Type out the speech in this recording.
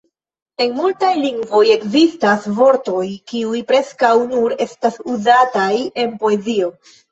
En multaj lingvoj ekzistas vortoj, kiuj preskaŭ nur estas uzataj en poezio.